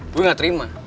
gue gak terima